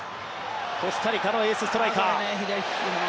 コスタリカのエースストライカー。